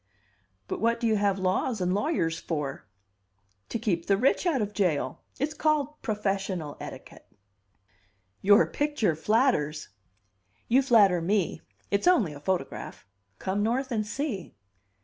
"But what do you have laws and lawyers for?" "To keep the rich out of jail. It's called 'professional etiquette.'" "Your picture flatters!" "You flatter me; it's only a photograph. Come North and see."